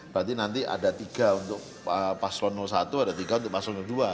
berarti nanti ada tiga untuk paslon satu ada tiga untuk paslon dua